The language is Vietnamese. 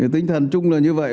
tinh thần trung là như vậy